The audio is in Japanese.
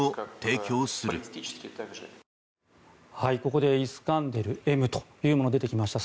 ここでイスカンデルＭというものが出てきました。